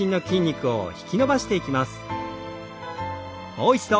もう一度。